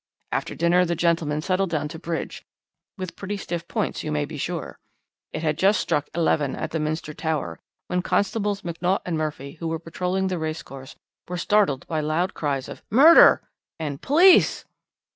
After dinner the gentlemen settled down to bridge, with pretty stiff points, you may be sure. It had just struck eleven at the Minster Tower, when constables McNaught and Murphy, who were patrolling the racecourse, were startled by loud cries of 'murder' and 'police.'